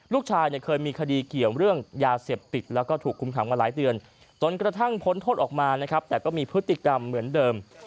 ลูกชายเคยมีคดีเกี่ยวเรื่องยาเสพติดและถูกคุ้มถามกันหลายเดือนต้นกระทั่งพ้นทดออกมาแต่ก็มีพฤติกรรมเหมือนเดิม